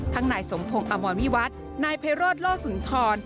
ทั้งหน่ายสมพงษ์อมวลวิวัตน์หน่ายเพรโรธโลศุนทร